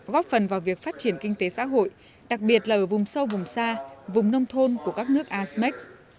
góp phần vào việc phát triển kinh tế xã hội đặc biệt là ở vùng sâu vùng xa vùng nông thôn của các nước asean